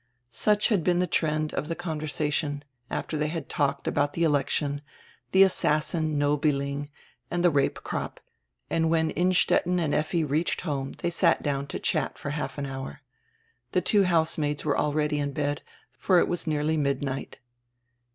Such had been die trend of die conversation, after diey had talked about die election, die assassin Nobiling, and die rape crop, and when Innstetten and Effi reached home diey sat down to chat for half an hour. The two house maids were already in bed, for it was nearly midnight.